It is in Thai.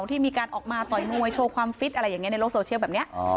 ที่มีการออกมาต่อยมวยโชว์ความฟิตอะไรอย่างนี้ในโลกโซเชียลแบบนี้